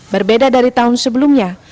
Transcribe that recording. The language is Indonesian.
berbeda dari tahun sebelumnya